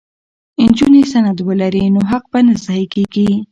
که نجونې سند ولري نو حق به نه ضایع کیږي.